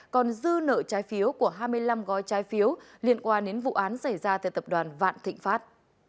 còn dư nợ trái phiếu của hai mươi năm gói trái phiếu liên quan đến vụ án xảy ra tại tập đoàn vạn thịnh pháp